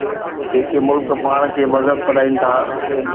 جيڪي ملڪ پاڻ کي مهذب سڏائين ٿا.